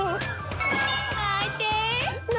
泣いて！